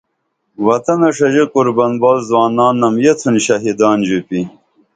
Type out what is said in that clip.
وطنہ ݜژی قربن بال زوانان یتُھن شھیدان ژوپی